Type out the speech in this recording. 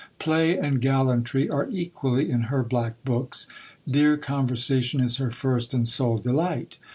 Play and gallantry are equally in her black books : dear conversation is her first and sole delight.